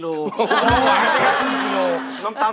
ขอบคุณครับ